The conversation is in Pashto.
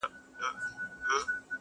o که دي دا ورور دئ، په مخ کي دي گور دئ.